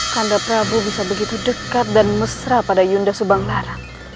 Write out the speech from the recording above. kanda prabu bisa begitu dekat dan mesra pada yunda subanglaran